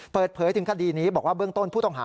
เปิดเผยถึงคดีนี้บอกว่าเบื้องต้นผู้ต้องหา